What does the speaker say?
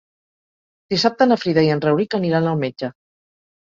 Dissabte na Frida i en Rauric aniran al metge.